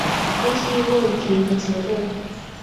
分析问题和症结